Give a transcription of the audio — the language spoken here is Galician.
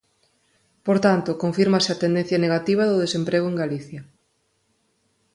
Por tanto, confírmase a tendencia negativa do desemprego en Galicia.